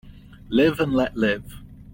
Live and let live.